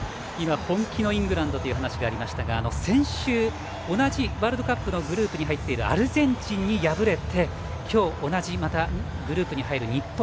本気のイングランドという話がありましたが先週、同じワールドカップのグループに入っているアルゼンチンに敗れて今日、同じグループに入る日本。